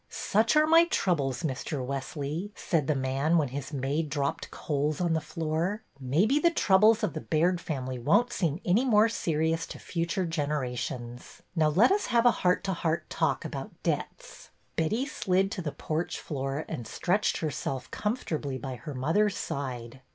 ' Such are my troubles, Mr. Wesley,' said the man when his maid dropped coals on the floor. Maybe UNCLE'' GOLDSTEIN 167 the ' troubles ' of the Baird family won't seem any more serious to future generations. Now, let us have a heart to heart talk about debts." Betty slid to the porch floor and stretched her self comfortably by her mother's side.